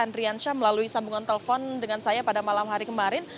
andrian syah melalui sambungan telepon dengan saya pada malam hari kemarin